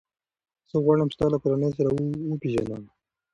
زه غواړم ستا له کورنۍ سره وپېژنم.